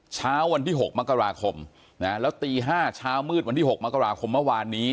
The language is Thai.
เช้าวันที่๖มกราคมแล้วตี๕เช้ามืดวันที่๖มกราคมเมื่อวานนี้